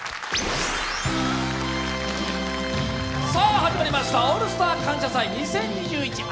始まりました「オールスター感謝祭２０２１秋」。